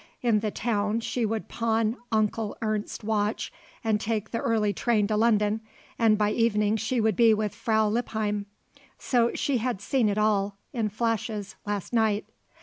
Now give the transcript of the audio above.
In the town she would pawn Onkel Ernst's watch and take the early train to London and by evening she would be with Frau Lippheim. So she had seen it all, in flashes, last night.